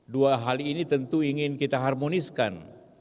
dua hal ini tentu ingin kita harmoniskan